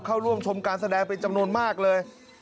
เข้าร่วมชมการแสดงเป็นจำนวนมากเลย